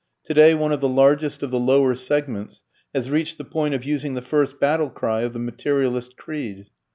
Today one of the largest of the lower segments has reached the point of using the first battle cry of the materialist creed.